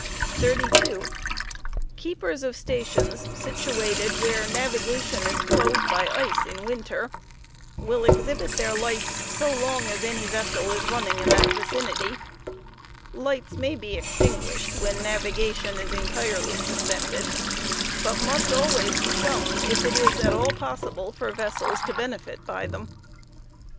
Keepers of stations situated where navigation is closed by ice in winter, will ugfcte to bo exhibit their lights so long as any vessel is running in that vicinity. Lights may be ^ suspends extinguished when navigation is entirely suspended, but must always be shown if it is nA ^ fiaUon * at all possible for vessels to benefit by them.